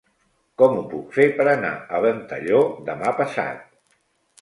Com ho puc fer per anar a Ventalló demà passat?